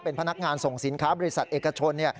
เป็นพนักงานส่งสินค้าบริษัทเอกชน